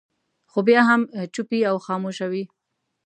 خو بیا هم چوپې او خاموشه وي.